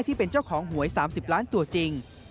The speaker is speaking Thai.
ที่เป็นเจ้าของหวย๓๐ล้านตัวจริง